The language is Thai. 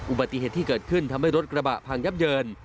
อุบัติเหตุที่เกิดขึ้นทำให้รถกระบะพังยับเยิน